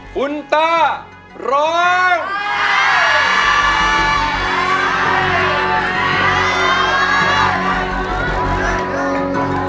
คุณต้าร้อง